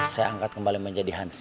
saya angkat kembali menjadi hans